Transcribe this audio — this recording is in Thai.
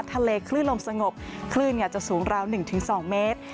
คลื่นลมสงบคลื่นจะสูงราว๑๒เมตร